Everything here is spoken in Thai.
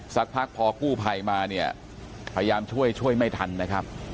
สักพักพอกู้ภัยมาเนี่ยพยายามช่วยช่วยไม่ทันนะครับ